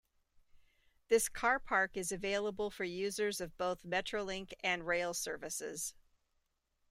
This car park is available for users of both Metrolink and rail services.